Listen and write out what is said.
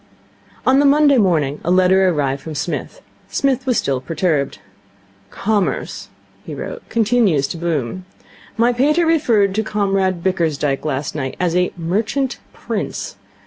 On the Monday morning a letter arrived from Psmith. Psmith was still perturbed. 'Commerce,' he wrote, 'continues to boom. My pater referred to Comrade Bickersdyke last night as a Merchant Prince.